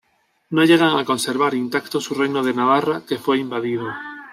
No llegan a conservar intacto su reino de Navarra que fue invadido.